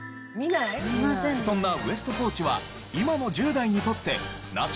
そんなウエストポーチは今の１０代にとってナシ？